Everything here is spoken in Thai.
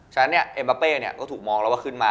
ฉะนั้นเนี่ยเอ็มบาเป้เนี่ยก็ถูกมองแล้วว่าขึ้นมา